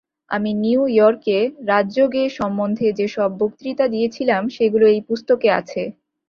আমি নিউ ইয়র্কে রাজযোগ সম্বন্ধে যে-সব বক্তৃতা দিয়েছিলাম, সেগুলি এই পুস্তকে আছে।